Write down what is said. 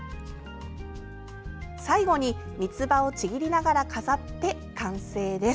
最後に三つ葉をちぎりながら飾って完成です。